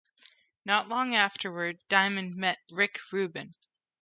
Not long afterward, Diamond met Rick Rubin.